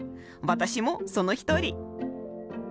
私もその一人。